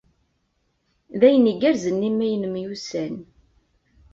D ayen igerrzen imi ay nemyussan.